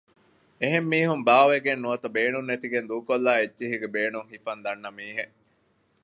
އެހެން މީހުން ބައުވެގެން ނުވަތަ ބޭނުން ނެތިގެން ދޫކޮށްލާ އެއްޗެހީގެ ބޭނުން ހިފަން ދަންނަ މީހެއް